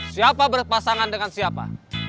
siapa berpasangan dengan siapa